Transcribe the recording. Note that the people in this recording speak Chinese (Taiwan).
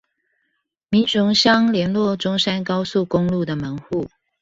民雄鄉聯絡中山高速公路的門戶